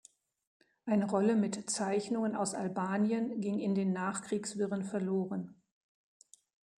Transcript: Eine Rolle mit Zeichnungen aus Albanien ging in den Nachkriegswirren verloren.